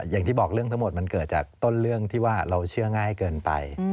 อย่างที่บอกเรื่องทั้งหมดมันเกิดจากต้นเรื่องที่ว่าเราเชื่อง่ายเกินไป